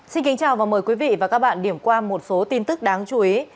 xin kính chào và mời quý vị và các bạn điểm qua một số tin tức đáng chú ý